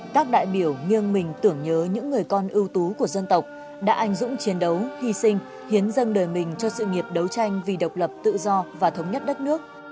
các đại biểu nghiêng mình tưởng nhớ những người con ưu tú của dân tộc đã anh dũng chiến đấu hy sinh hiến dâng đời mình cho sự nghiệp đấu tranh vì độc lập tự do và thống nhất đất nước